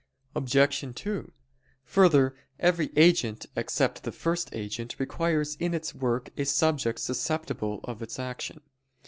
Obj. 2: Further, every agent except the first agent requires in its work a subject susceptible of its action.